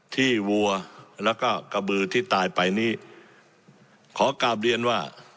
วัวแล้วก็กระบือที่ตายไปนี้ขอกลับเรียนว่า